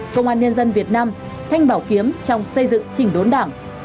công an nhân dân việt nam thanh bảo kiếm trong xây dựng trình tố đảng